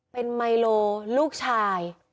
เป็นไมโลลูกชาย